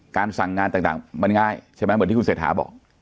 การสั่งงานต่างมันง่ายใช่ไหมอย่างที่คุณเสธาบอก